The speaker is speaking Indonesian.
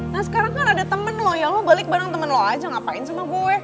nah sekarang kan ada temen lo ya lo balik bareng temen lo aja ngapain sama gue